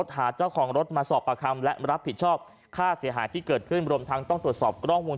ยกรถกระบาดคันนี้ออกไปไว้ที่สอพม